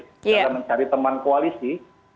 dalam mencari teman koalisi